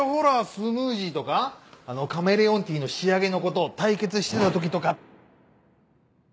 スムージーとかカメレオンティーの仕上げのこと対決してた時とか。